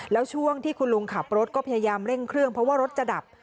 แล้วช่วงที่คุณลุงขับรถก็พยายามเร่งเครื่องเพราะว่ารถจะดับ